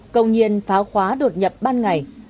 công nhiên phá khóa đột nhập ban ngày